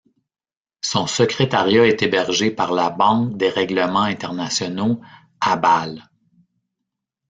Son secrétariat est hébergé par la Banque des règlements internationaux, à Bâle.